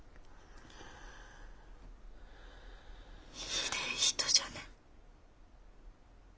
ひでえ人じゃね。